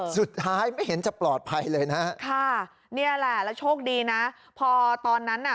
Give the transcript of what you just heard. สุดท้ายไม่เห็นจะปลอดภัยเลยนะฮะค่ะนี่แหละแล้วโชคดีนะพอตอนนั้นน่ะ